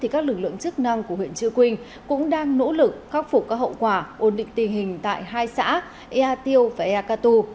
các lực lượng chức năng của huyện chư quynh cũng đang nỗ lực khắc phục các hậu quả ổn định tình hình tại hai xã ea tiêu và ea catu